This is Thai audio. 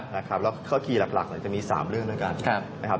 แล้วเครื่องคลีย์หลักจะมี๓เรื่องด้วยกัน